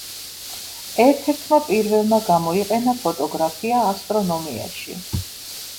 ერთ-ერთმა პირველმა გამოიყენა ფოტოგრაფია ასტრონომიაში.